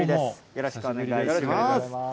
よろしくお願いします。